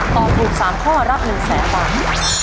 ตอบถูก๓ข้อรับ๑แสนบาท